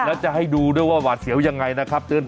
แล้วจะให้ดูด้วยว่าหวาดเสียวยังไงนะครับ